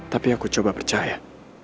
tapi aku coba percaya